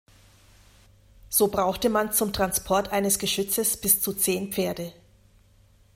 So brauchte man zum Transport eines Geschützes bis zu zehn Pferde.